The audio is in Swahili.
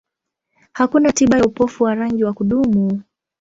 Hakuna tiba ya upofu wa rangi wa kudumu.